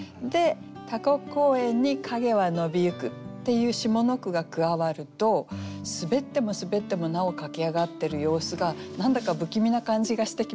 「タコ公園に影は伸びゆく」っていう下の句が加わるとすべってもすべってもなお駆け上がってる様子が何だか不気味な感じがしてきませんか？